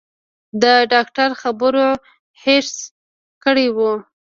د ډاکتر خبرو هېښ کړى وم.